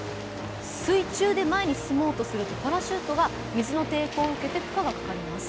水中で前に進もうとするとパラシュートが水の抵抗を受けて負荷がかかります。